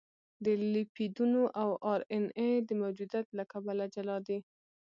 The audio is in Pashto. د لیپیدونو او ار ان اې د موجودیت له کبله جلا دي.